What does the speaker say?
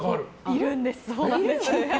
いるんです。